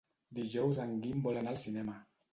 Dijous en Guim vol anar al cinema.